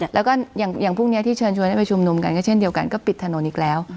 แล้วก็อย่างพรุ่งนี้ที่เชิญชวนให้ไปชุมนุมกันก็เช่นเดียวกันก็ปิดถนนอีกแล้ว